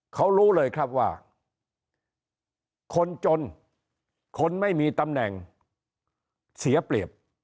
เขารู้เลยครับว่าคนจนคนไม่มีตำแหน่งเสียเปรียบ